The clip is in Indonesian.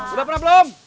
udah pernah belum